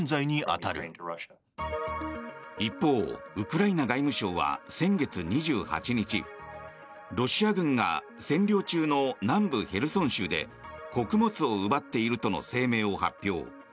一方、ウクライナ外務省は先月２８日ロシア軍が占領中の南部ヘルソン州で穀物を奪っているとの声明を発表。